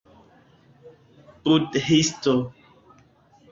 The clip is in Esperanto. budhisto